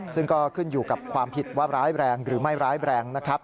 ซึ่งก็ขึ้นอยู่กับความผิดว่าร้ายแรงหรือไม่ร้ายแรงนะครับ